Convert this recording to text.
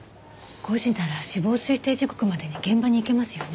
５時なら死亡推定時刻までに現場に行けますよね。